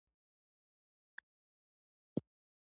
بدخشان د افغان ماشومانو د زده کړې موضوع ده.